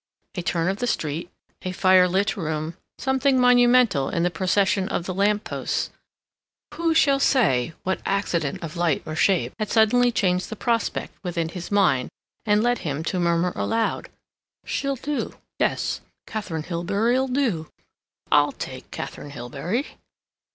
A turn of the street, a firelit room, something monumental in the procession of the lamp posts, who shall say what accident of light or shape had suddenly changed the prospect within his mind, and led him to murmur aloud: "She'll do.... Yes, Katharine Hilbery'll do.... I'll take Katharine Hilbery."